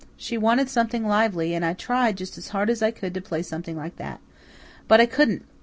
She wanted something lively, and I tried just as hard as I could to play something like that. But I couldn't.